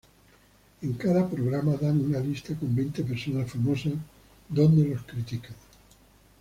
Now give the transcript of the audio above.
En cada programa dan una lista con veinte personas famosas donde los critican.